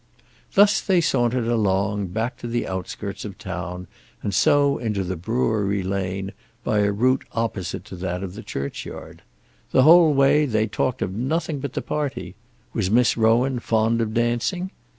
Thus they sauntered along, back to the outskirts of the town, and so into the brewery lane, by a route opposite to that of the churchyard. The whole way they talked of nothing but the party. Was Miss Rowan fond of dancing?